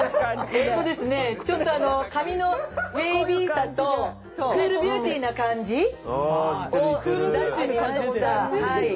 えっとですねちょっと髪のウェービーさとクールビューティーな感じを出してみました。